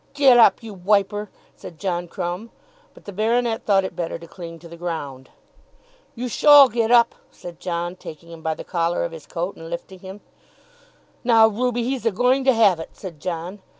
"Get up, you wiper," said John Crumb. But the baronet thought it better to cling to the ground. "You sholl get up," said John, taking him by the collar of his coat and lifting him. "Now, Ruby, he's a going to have it," said John.